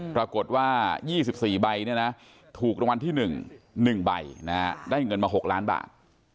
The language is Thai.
ปรากฏว่า๒๔ใบถูกรางวัลที่๑๑ใบได้เงินมา๖ล้านบาท